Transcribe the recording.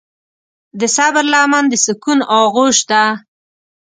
د صبر لمن د سکون آغوش ده.